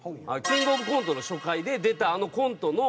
キングオブコントの初回で出たあのコントの。